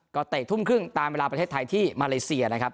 ก็เตะทุ่มครึ่งตามเวลาประเทศไทยที่มาเลเซียนะครับ